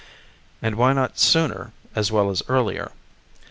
And why not "sooner" as well as "earlier"?